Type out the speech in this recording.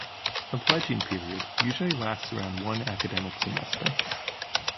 The pledging period usually lasts around one academic semester.